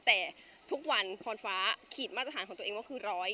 แต่ทุกวันพรฟ้าขีดมาตรฐานของตัวเองว่าคือ๑๐๐